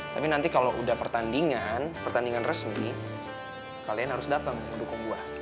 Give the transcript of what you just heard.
tapi nanti kalo udah pertandingan pertandingan resmi kalian harus dateng ngedukung gue